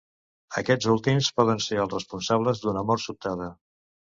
Aquests últims poden ser els responsables d’una mort sobtada.